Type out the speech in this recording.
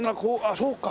そうか。